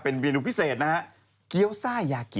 เป็นเมนูพิเศษนะฮะเกี้ยวซ่าอยากกิน